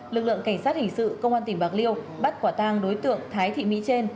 lực lượng cảnh sát hình sự công an tỉnh bạc liêu bắt quả tang đối tượng thái thị mỹ trên